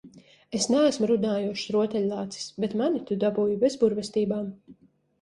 Es neesmu runājošs rotaļlācis, bet mani tu dabūji bez burvestībām.